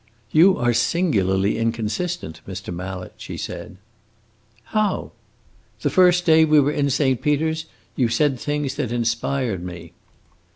"You are singularly inconsistent, Mr. Mallet," she said. "How?" "That first day that we were in Saint Peter's you said things that inspired me.